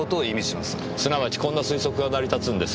すなわちこんな推測が成り立つんですよ。